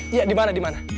iya dimana dimana